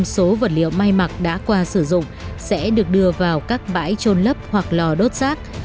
tám mươi bảy số vật liệu may mặc đã qua sử dụng sẽ được đưa vào các bãi trôn lấp hoặc lò đốt rác